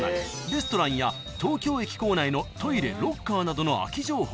［レストランや東京駅構内のトイレロッカーなどの空き情報］